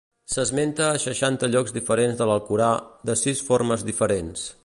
S'esmenta a seixanta llocs diferents de l'Alcorà, de sis formes diferents.